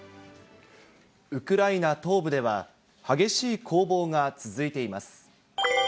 ウクライナ東部では、激しい攻防が続いています。